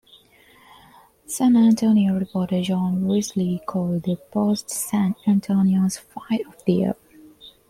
San Antonio reporter John Whisler called the bout San Antonio's Fight of the Year.